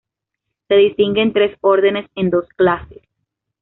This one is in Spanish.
Se distinguen tres órdenes en dos clases.